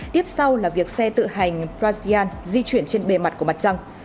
tiếp sau là việc xe tự hành brazian di chuyển trên bề mặt của mặt trăng